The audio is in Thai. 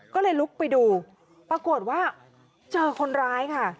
ก็เลยลุกไปดูปรากฏว่าเจอคนร้ายค่ะ